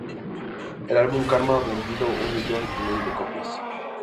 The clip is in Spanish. El álbum "Karma" vendido un millón y medio de copias.